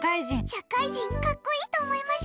社会人、格好いいと思います。